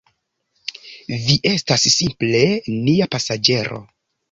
Vi estas simple nia pasaĝero.